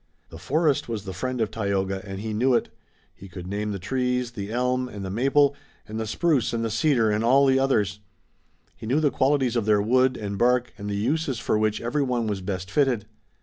The forest was the friend of Tayoga and he knew it. He could name the trees, the elm and the maple, and the spruce and the cedar and all the others. He knew the qualities of their wood and bark and the uses for which every one was best fitted.